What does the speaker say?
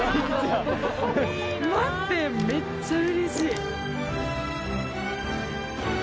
待ってめっちゃ嬉しい。